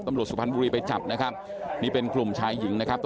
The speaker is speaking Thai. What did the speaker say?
สุพรรณบุรีไปจับนะครับนี่เป็นกลุ่มชายหญิงนะครับ